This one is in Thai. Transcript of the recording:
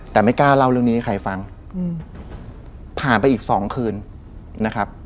แต่ไม่กล้าเล่าเรื่องนี้ให้ใครฟังผ่านไปอีกสองคืนนะครับ